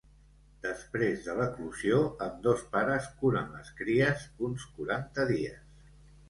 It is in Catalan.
Després de l'eclosió ambdós pares curen les cries uns quaranta dies.